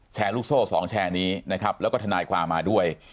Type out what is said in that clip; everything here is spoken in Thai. ลูกโซ่๒แชร์นี้นะครับแล้วก็ทนายความมาด้วย